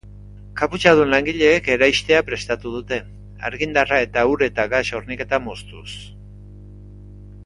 Kaputxadun langileek eraistea prestatu dute, argindarra eta ur eta gas horniketa moztuz.